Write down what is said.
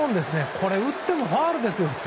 これ、打ってもファウルですよ、普通。